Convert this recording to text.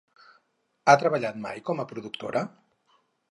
Ha treballat mai com a productora?